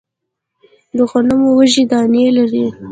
د غنمو وږی دانې لري